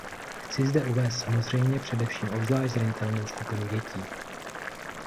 Chci zde uvést samozřejmě především obzvlášť zranitelnou skupinu dětí.